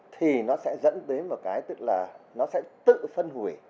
thì nó sẽ dẫn đến một cái tức là nó sẽ tự phân hủy